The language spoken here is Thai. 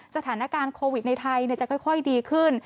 สถานการณ์โควิดในไทยจะค่อยดีขึ้น